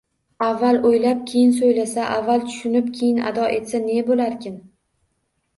Avval o'ylab keyin so'ylasa, avval tushunib, keyin ado etsa ne bo'larkin?